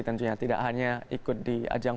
tentunya tidak hanya ikut di ajang